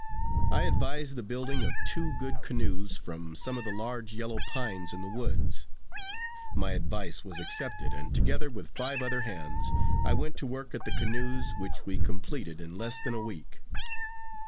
I advised the building of two good canoes from some of the large yellow pines in the woods. My advice was accepted, and together with five others hands, I went to work at the canoes, which we completed in less than a week.